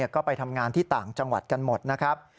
ก็ไปทำงานที่ต่างจังหวัดกันหมดนะครับ